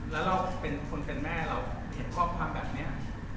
แล้วเราเป็นคนเป็นแม่เราเห็นข้อความแบบนี้